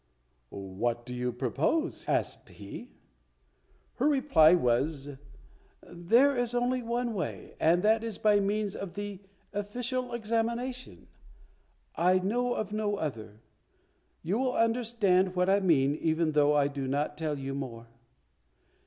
"What do you propose?" asked he. Her reply was, "There is only one way, and that is by means of the Official Examination. I know of no other. You will understand what I mean, even though I do not tell you more."